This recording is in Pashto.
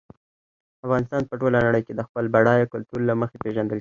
افغانستان په ټوله نړۍ کې د خپل بډایه کلتور له مخې پېژندل کېږي.